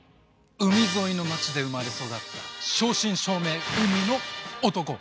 海沿いの町で生まれ育った正真正銘海の男